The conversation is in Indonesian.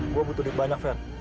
gue butuhin banyak ver